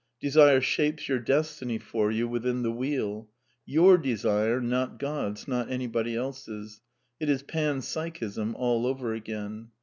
Desire shapes your destiny for you within the wheel. Your desire, not God's ; not anybody else's. It is Pan Psychism all over again.